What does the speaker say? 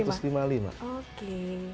karena kenapa harganya sama